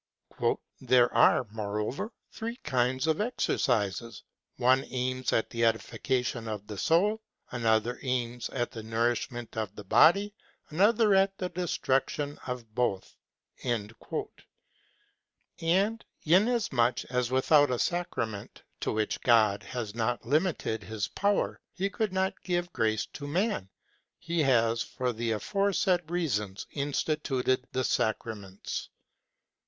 "There are, moreover, three kinds of exercises: one aims at the edification of the soul, another aims at the nourish ment of the body, another at the destruction of both.'' вҖ" And inas much as without a sacrament, to which God has not limited his power, he could have given grace to man, he has for the aforesaid reasons instituted the sacraments.